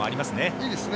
いいですね。